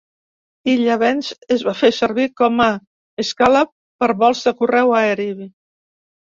Villa Bens es va fer servir com a escala per vols de correu aeri.